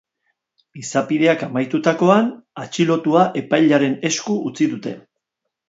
Izapideak amaitutakoan, atxilotua epailearen esku utzi dute.